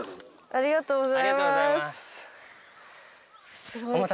ありがとうございます。